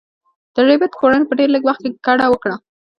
د ربیټ کورنۍ په ډیر لږ وخت کې کډه وکړه